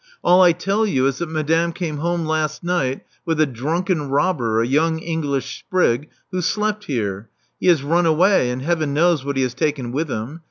All I tell you is that madame came home last night with a drunken robber, a young English sprig, who slept here. He has run away; and heaven knows what he has taken with him.